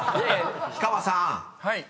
［氷川さん